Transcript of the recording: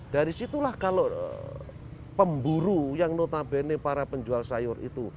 dari situlah kalau pemburu yang notabene para penjual sayur itu